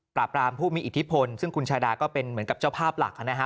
รามผู้มีอิทธิพลซึ่งคุณชาดาก็เป็นเหมือนกับเจ้าภาพหลักนะฮะ